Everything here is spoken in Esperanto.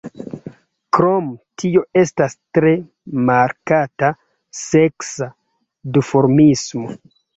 Krom tio estas tre markata seksa duformismo.